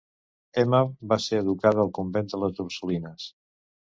Emma va ser educada al convent de les Ursulines.